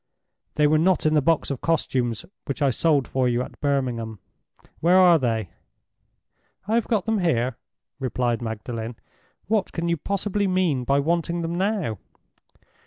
"They were not in the box of costumes which I sold for you at Birmingham. Where are they?" "I have got them here," replied Magdalen. "What can you possibly mean by wanting them now?"